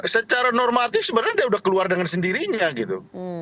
secara normatif sebenarnya dia sudah keluar dengan sendirinya gitu